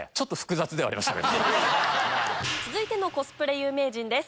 続いてのコスプレ有名人です